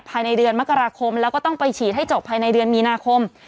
ภายในเดือนมกราคมแล้วก็ต้องไปฉีดให้จบภายในเดือนมีนาคม